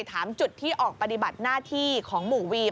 จุดที่ออกปฏิบัติหน้าที่ของหมู่วีม